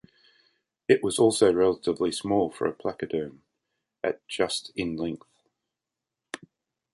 It was also relatively small for a placoderm, at just in length.